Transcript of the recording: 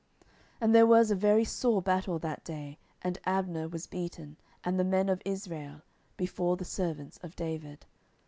10:002:017 And there was a very sore battle that day; and Abner was beaten, and the men of Israel, before the servants of David.